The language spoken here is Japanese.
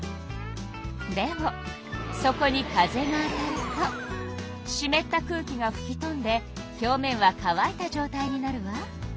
でもそこに風が当たるとしめった空気がふき飛んで表面は乾いたじょうたいになるわ。